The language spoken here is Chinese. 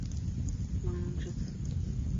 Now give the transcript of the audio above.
王隆之子。